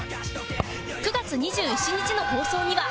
９月２７日の放送には